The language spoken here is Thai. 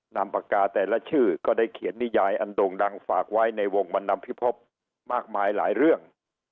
นามปากกาแต่ละชื่อก็ได้เขียนนิยายอันโด่งดังฝากไว้ในวงบรรณพิภพมากมายหลายเรื่อง